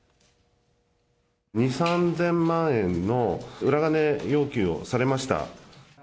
２、３０００万円の裏金要求をされました。